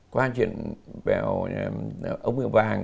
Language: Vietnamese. qua chuyện về ống hương vàng